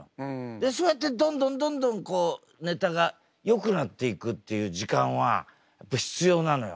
でそうやってどんどんどんどんネタがよくなっていくっていう時間はやっぱ必要なのよ。